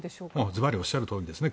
ずばりおっしゃるとおりですね。